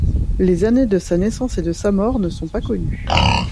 Les années de sa naissance et de sa mort ne sont pas connues.